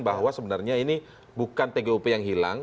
bahwa sebenarnya ini bukan tgup yang hilang